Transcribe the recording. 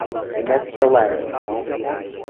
Inaciolândia